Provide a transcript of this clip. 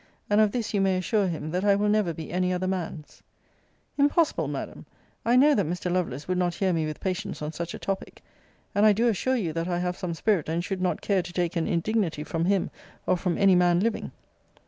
And of this you may assure him, that I will never be any other man's. Impossible, Madam! I know that Mr. Lovelace would not hear me with patience on such a topic. And I do assure you that I have some spirit, and should not care to take an indignity from him or from any man living.